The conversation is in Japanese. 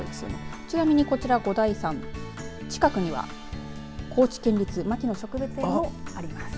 ちなみにこちらは五台山、近くには高知県立牧野植物園もあります。